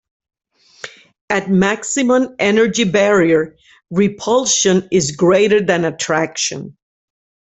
At maximum energy barrier, repulsion is greater than attraction.